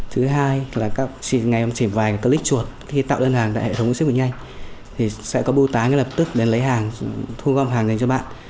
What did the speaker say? thứ hai là các ngày em chỉ vài click chuột khi tạo đơn hàng tại hệ thống xếp bệnh nhanh thì sẽ có bưu tá ngay lập tức đến lấy hàng thu gom hàng dành cho bạn